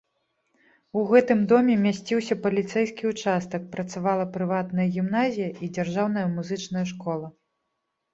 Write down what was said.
У гэтым доме мясціўся паліцэйскі ўчастак, працавала прыватная гімназія і дзяржаўная музычная школа.